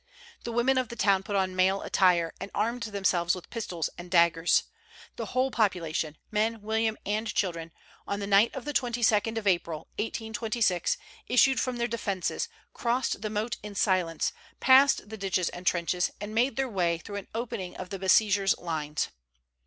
The women of the town put on male attire, and armed themselves with pistols and daggers. The whole population, men, women, and children, on the night of the 22d of April, 1826, issued from their defences, crossed the moat in silence, passed the ditches and trenches, and made their way through an opening of the besiegers' lines.